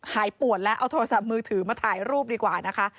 หายปวดแล้วเอาโทรศัพท์มือถือมาถ่ายรูปดีกว่านะคะ